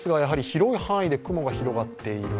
広い範囲で雲が広がっている。